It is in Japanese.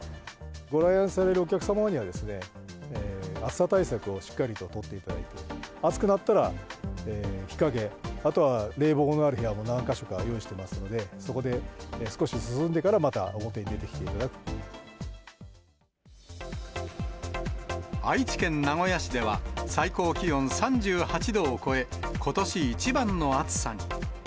ご来園されるお客様には、暑さ対策をしっかりと取っていただいて、暑くなったら日陰、あとは冷房がある部屋も何か所か用意してますので、そこで少し涼んでから、愛知県名古屋市では、最高気温３８度を超え、ことし一番の暑さに。